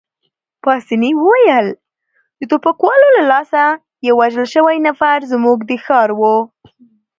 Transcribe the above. پاسیني وویل: د ټوپکوالو له لاسه یو وژل شوی نفر، زموږ د ښار وو.